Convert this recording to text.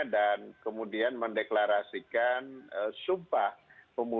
dan kemudian mendeklarasikan sumpah pemuda